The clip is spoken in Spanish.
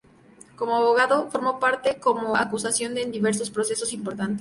Como abogado, formó parte como acusación en diversos procesos importantes.